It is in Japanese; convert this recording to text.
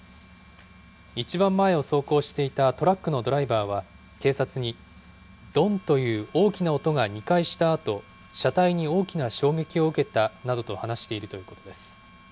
一番前を走行していたトラックのドライバーは、警察に、どんという大きな音が２回したあと、車体に大きな衝撃を受けたなどと話しているということです。